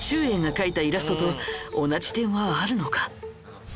えいが描いたイラストと同じ点はあるのか？